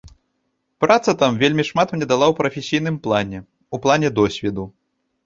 Праца там вельмі шмат мне дала ў прафесійным плане, у плане досведу.